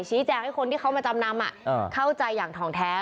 ชี้แจงให้คนที่เขามาจำนำเข้าใจอย่างทองแท้